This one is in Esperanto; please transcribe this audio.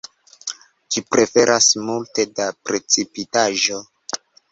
Ĝi preferas multe da precipitaĵo.